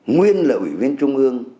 nguyên là ủy viên trung ương